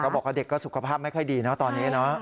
เขาบอกว่าเด็กก็สุขภาพไม่ค่อยดีตอนนี้